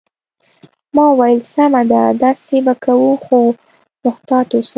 ما وویل: سمه ده، داسې به کوو، خو محتاط اوسه.